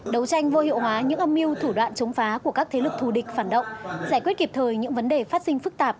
đấu tranh vô hiệu hóa những âm mưu thủ đoạn chống phá của các thế lực thù địch phản động giải quyết kịp thời những vấn đề phát sinh phức tạp